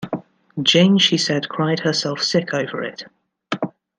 Jane she said cried herself sick over it.